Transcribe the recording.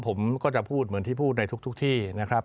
ผมก็จะพูดเหมือนที่พูดในทุกที่นะครับ